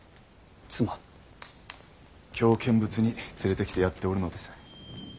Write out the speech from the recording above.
京見物に連れてきてやっておるのです。